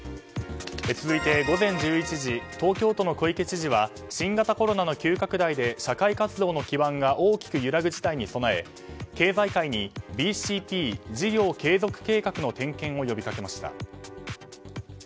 続いて午前１１時東京都の小池知事は新型コロナウイルスの急拡大で社会活動の基盤が大きく揺らぐ事態に備え経済界にＢＣＰ・事業継続計画の点検を呼びかけました。